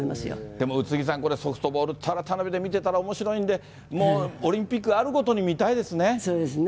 でも宇津木さん、これソフトボール、ただただテレビで見てたら、おもしろいんで、もうオリンピックがあるごとに見たいですね。